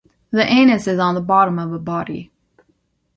The anus is on the bottom of a body.